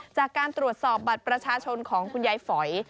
จากการตรวจสอบบัตรประชาชนของคุณยายฝอย